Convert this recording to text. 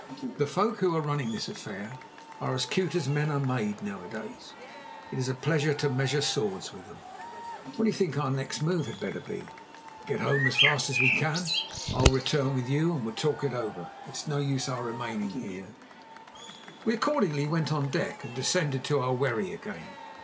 "The folk who are running this affair are as cute as men are made nowadays; it's a pleasure to measure swords with them." "What do you think our next move had better be?" "Get home as fast as we can. I'll return with you, and we'll talk it over. It's no use our remaining here." We accordingly went on deck, and descended to our wherry again.